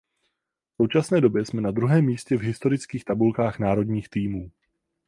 V současné době jsme na druhém místě v historických tabulkách národních týmů.